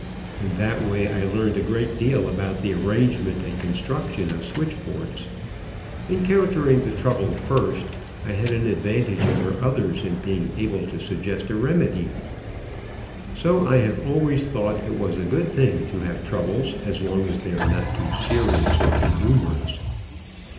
In that way I learned a great deal about the arrangement and construction of switchboards. Encountering the trouble first, I had an advantage over others in being able to suggest a remedy. So I have always thought it was a good thing to have troubles, as long as they are not too serious or too numerous.